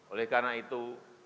oleh karena itu